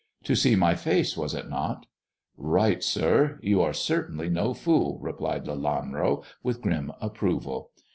" To see my face, was it not ?"" Right, sir ! You are certainly no fool," replied Lelanro, with grim approval.